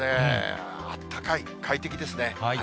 あったかい、快適ですね。